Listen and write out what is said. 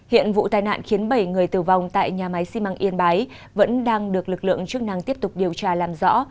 hiện vụ tai nạn khiến bảy người tử vong tại nhà máy xi măng yên bái vẫn đang được lực lượng chức năng tiếp tục điều tra làm rõ